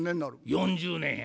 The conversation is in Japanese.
４０年や。